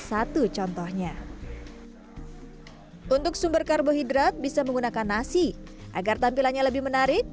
satu contohnya untuk sumber karbohidrat bisa menggunakan nasi agar tampilannya lebih menarik